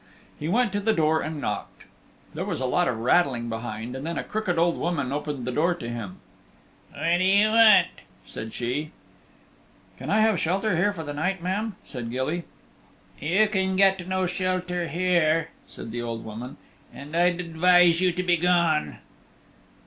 He went to the door and knocked. There was a lot of rattling behind, and then a crooked old woman opened the door to him. "What do you want?" said she. "Can I have shelter here for to night, ma'am?" said Gilly. "You can get no shelter hem," said the old woman, "and I'd advise you to begone."